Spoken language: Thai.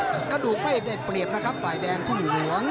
คนกระดูกแบบนั้นได้เปรียบนะครับพลายแดงทุ่งหลวง